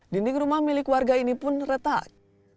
dinding rumah milik warga ini pun retak